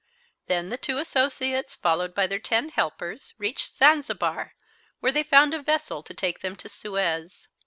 Then the two associates, followed by their ten helpers, reached Zanzibar, where they found a vessel to take them to Suez.